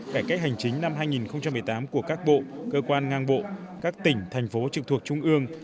cải cách hành chính năm hai nghìn một mươi tám của các bộ cơ quan ngang bộ các tỉnh thành phố trực thuộc trung ương